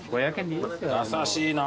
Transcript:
優しいな。